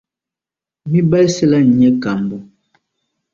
Mi’ balisi la n-nyɛ kambu.